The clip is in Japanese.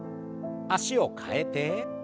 脚を替えて。